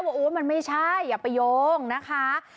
โอ๊ยมันไม่ใช่อย่าไปโยงนะคะ